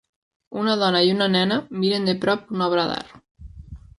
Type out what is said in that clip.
Una dona i una nena miren de prop una obra d'art.